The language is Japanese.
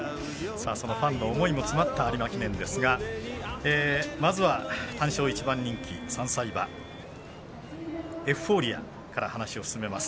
ファンの思いも詰まった有馬記念ですがまずは単勝１番人気３歳馬、エフフォーリアから話を進めます。